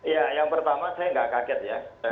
ya yang pertama saya nggak kaget ya